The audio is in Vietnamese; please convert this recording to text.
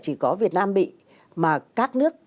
chỉ có việt nam bị mà các nước